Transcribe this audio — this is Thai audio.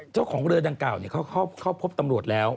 เจ้าของเรือดังกล่าวเข้าพบตำรวจแล้ว